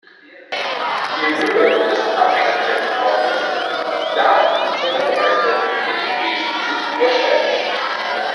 Die Höhe des Abhängigkeitsbaums darf seine Breite nicht wesentlich überschreiten.